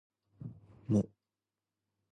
も